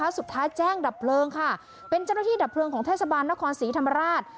สุดท้ายแจ้งดับเพลิงค่ะเป็นเจ้าหน้าที่ดับเพลิงของเทศบาลนครศรีธรรมราช